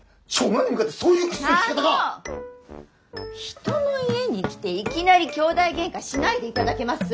人の家に来ていきなりきょうだいゲンカしないでいただけます？